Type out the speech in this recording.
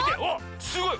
すごい！